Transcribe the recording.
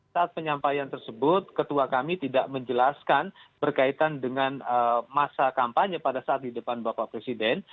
saat penyampaian tersebut ketua kami tidak menjelaskan berkaitan dengan masa kampanye pada saat di depan bapak presiden